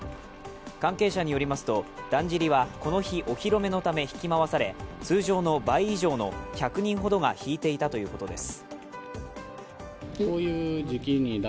関係者によりますと、だんじりはこの日、お披露目のためひきまわされ、通常の倍以上の１００人ほどが引いていたということです。